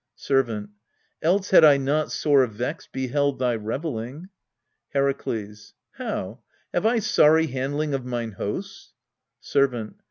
Servant. Else had I not sore vexed beheld thy revelling. Herakles. How! have I sorry handling of mine hosts? Servant.